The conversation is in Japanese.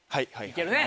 いけるね。